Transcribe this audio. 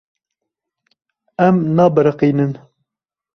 Em nabiriqînin.